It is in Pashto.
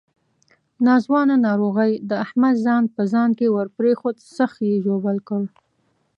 ناځوانه ناروغۍ د احمد ځان په ځان کې ورپرېنښود، سخت یې ژوبل کړ.